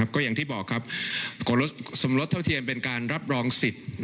ก็อย่างที่บอกครับสมรสเท่าเทียมเป็นการรับรองสิทธิ์